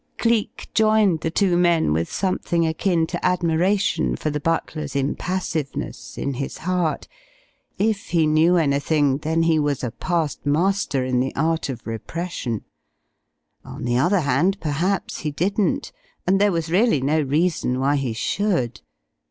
Cleek joined the two men with something akin to admiration for the butler's impassiveness in his heart. If he knew anything, then he was a past master in the art of repression. On the other hand perhaps he didn't and there was really no reason why he should.